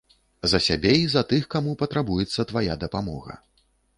За сябе і за тых, каму патрабуецца твая дапамога.